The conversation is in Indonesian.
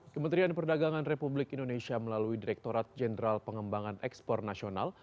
kementerian perdagangan republik indonesia melalui direkturat jenderal pengembangan ekspor nasional